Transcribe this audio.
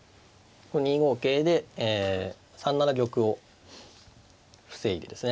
２五桂で３七玉を防いでですね